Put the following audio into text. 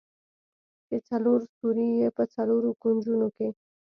چې څلور سوري يې په څلورو کونجونو کښې.